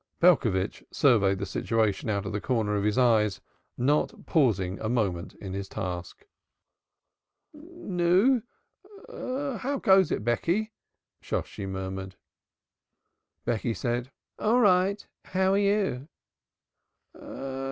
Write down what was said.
Belcovitch surveyed the situation out of the corners of his eyes, not pausing a moment in his task. "Nu, how goes it, Becky?" Shosshi murmured. Becky said, "All right, how are you?"